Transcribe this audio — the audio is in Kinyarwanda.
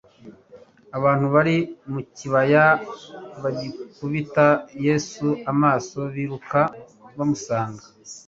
Abantu bari mu kibaya, bagikubita Yesu amaso biruka bamusanga,